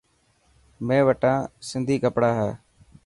مين وتان سنڌي ڪپڙا هي.